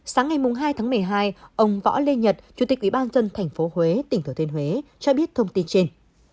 sáng ngày hai tháng một mươi hai ông võ lê nhật chủ tịch ủy ban dân thành phố huế tỉnh thừa thiên huế cho biết thông tin trên